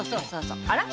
あら？